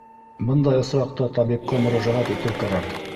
Бындай осраҡта табипҡа мөрәжәғәт итеү кәрәк.